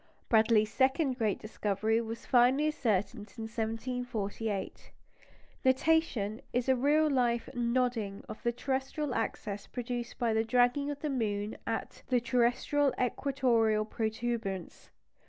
Bradley's second great discovery was finally ascertained in 1748. Nutation is a real "nodding" of the terrestrial axis produced by the dragging of the moon at the terrestrial equatorial protuberance.